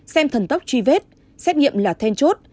xem thần tốc truy vết xét nghiệm là then chốt